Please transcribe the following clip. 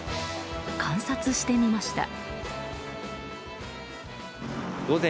観察してみました。